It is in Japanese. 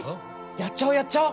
やっちゃおうやっちゃおう！